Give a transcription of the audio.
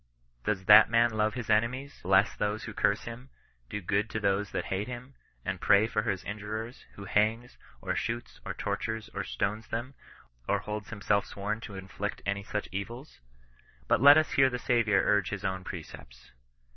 Does that man love his enemies, bless those who curse him, do good to those that hate him, and pray for his injurers, who hangs, or shoots, or tortures, or stones them, cr holds himself sworn to inflict any such evils 1 But let us hear the Saviour urge his own precepts.